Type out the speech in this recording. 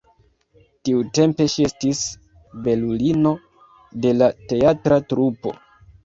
Tiutempe ŝi estis belulino de la teatra trupo.